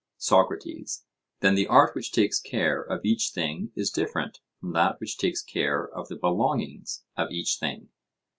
SOCRATES: Then the art which takes care of each thing is different from that which takes care of the belongings of each thing?